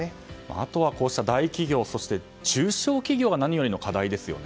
あとは、こうした大企業そして中小企業が何よりの課題ですよね。